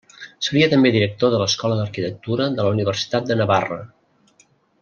Seria també director de l'Escola d'Arquitectura de la Universitat de Navarra.